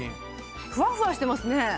ふわふわしてますね。